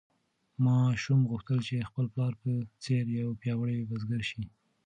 ماشوم غوښتل چې د خپل پلار په څېر یو پیاوړی بزګر شي.